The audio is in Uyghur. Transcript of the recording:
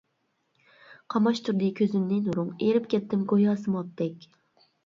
قاماشتۇردى كۆزۈمنى نۇرۇڭ، ئېرىپ كەتتىم گويا سىمابتەك.